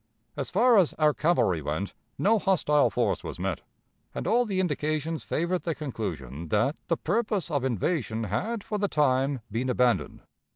As far as our cavalry went, no hostile force was met, and all the indications favored the conclusion that the purpose of invasion had for the time been abandoned.